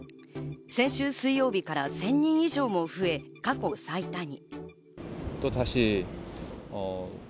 先週水曜日から１０００人以上も増え、過去最多に。